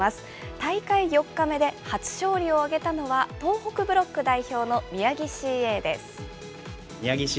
大会４日目で初勝利を挙げたのは、東北ブロック代表の宮城ＣＡです。